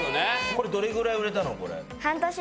これどれぐらい売れたの？